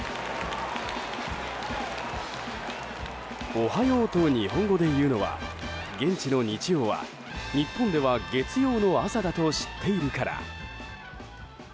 おはようと日本語で言うのは現地の日曜は、日本では月曜の朝だと知っているから。